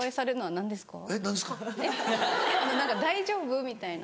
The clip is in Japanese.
何か「大丈夫？」みたいな。